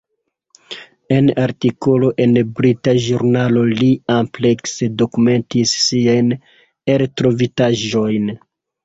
En artikolo en brita ĵurnalo li amplekse dokumentis siajn eltrovitaĵojn.